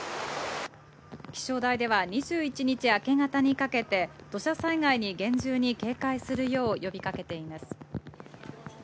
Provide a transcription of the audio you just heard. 気象台では、２１日明け方にかけて、土砂災害に厳重に警戒するよう呼びかけています。